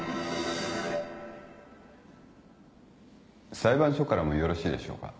裁判所からもよろしいでしょうか。